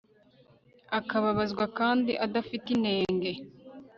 akababazwa kandi adafite inenge